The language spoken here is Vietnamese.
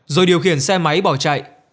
rồi điều khiển xe máy bỏ chạy